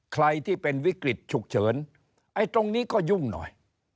ใครที่เป็นวิกฤตฉุกเฉินไอ้ตรงนี้ก็ยุ่งหน่อย